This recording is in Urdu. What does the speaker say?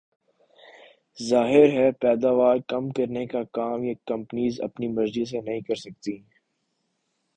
ظاہر ہے پیداوار کم کرنے کا کام یہ کمپنیز اپنی مرضی سے نہیں کر سکتیں